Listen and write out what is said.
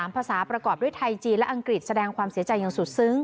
ภาษาประกอบด้วยไทยจีนและอังกฤษแสดงความเสียใจอย่างสุดซึ้ง